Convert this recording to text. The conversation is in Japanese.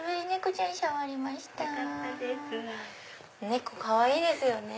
猫かわいいですよね。